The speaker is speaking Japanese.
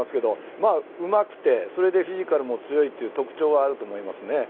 まあ、うまくて、それでフィジカルも強いっていう特徴はあると思いますね。